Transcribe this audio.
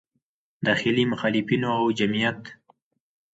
داخلي مخالفینو او د جمعیت